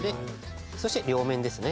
そして両面ですね。